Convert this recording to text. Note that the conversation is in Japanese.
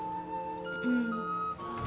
うん。